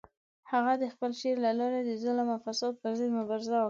هغه د خپل شعر له لارې د ظلم او فساد پر ضد مبارزه وکړه.